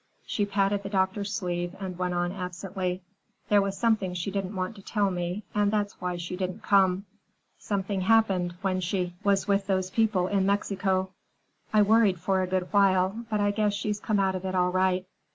She patted the doctor's sleeve and went on absently. "There was something she didn't want to tell me, and that's why she didn't come. Something happened when she was with those people in Mexico. I worried for a good while, but I guess she's come out of it all right.